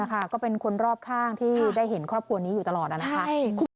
ใช่ครับแม่เลี้ยงเดียวใครจะไม่รัก